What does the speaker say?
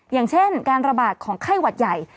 อย่างเช่นการระบาดของไข้หวัดใหญ่